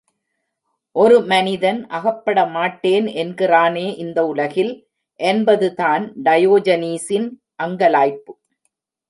ஒரு மனிதன் அகப்படமாட்டேன் என்கிறானே இந்த உலகில், என்பது தான் டயோஜனீஸின் அங்கலாய்ப்பு.